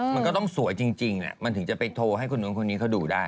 มันก็ต้องสวยจริงมันถึงจะไปโทรให้คนนู้นคนนี้เขาดูได้